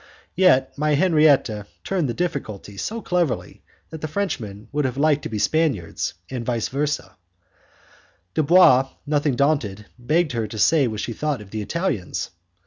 Yet my Henriette turned the difficulty so cleverly that the Frenchmen would have liked to be Spaniards, and 'vice versa'. Dubois, nothing daunted, begged her to say what she thought of the Italians.